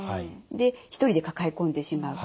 で一人で抱え込んでしまう。